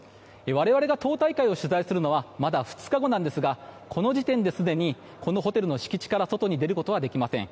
我々が党大会を取材するのはまだ２日後なんですがこの時点ですでにこのホテルの敷地から外に出ることはできません。